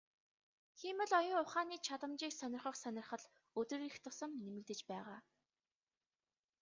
Хиймэл оюун ухааны чадамжийг сонирхох сонирхол өдөр ирэх тусам нэмэгдэж байгаа.